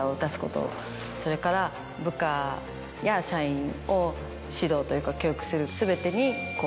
それから部下や社員を指導というか教育する。